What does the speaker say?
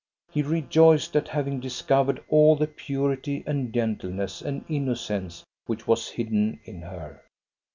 He rejoiced at having discov ered all the purity and gentleness and innocence which was hidden in her.